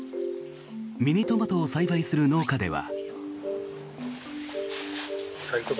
ミニトマトを栽培する農家では。